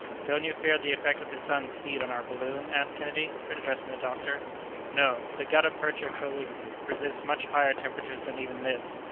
"Don't you fear the effect of the sun's heat on our balloon?" asked Kennedy, addressing the doctor. "No! the gutta percha coating resists much higher temperatures than even this.